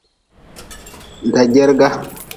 Dajerga.